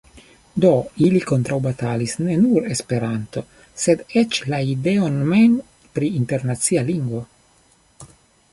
Do, ili kontraŭbatalis ne nur Esperanton, sed eĉ la ideon mem pri internacia lingvo.